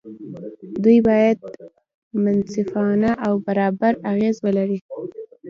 دوی باید منصفانه او برابر اغېز ولري.